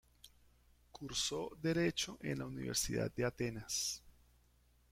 Cursó derecho en la Universidad de Atenas.